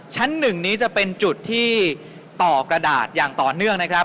ชั้น๑นี้จะเป็นจุดที่ต่อกระดาษอย่างต่อเนื่องนะครับ